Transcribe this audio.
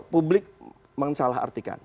publik menyalah artikan